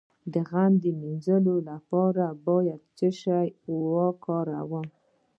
د غم د مینځلو لپاره باید څه شی وکاروم؟